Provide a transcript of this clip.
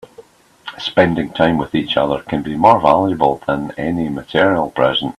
Spending time with each other can be more valuable than any material present.